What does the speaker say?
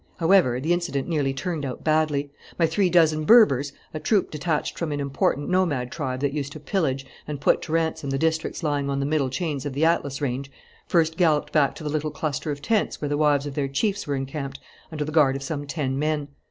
However, the incident nearly turned out badly. My three dozen Berbers, a troop detached from an important nomad tribe that used to pillage and put to ransom the districts lying on the middle chains of the Atlas Range, first galloped back to the little cluster of tents where the wives of their chiefs were encamped under the guard of some ten men.